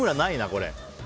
これ。